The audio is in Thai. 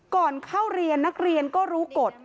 ก่อนเข้าเรียนนักเรียนก็รู้กฎ